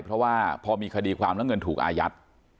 เพราะว่าพอมีคดีความแล้วเงินถูกอายัด